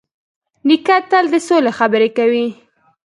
نیکه تل د سولې خبرې کوي.